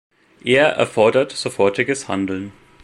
Er erfordert sofortiges Handeln.